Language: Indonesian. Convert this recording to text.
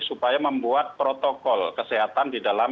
supaya membuat protokol kesehatan di dalam